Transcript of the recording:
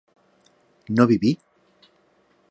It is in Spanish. ¿no viví?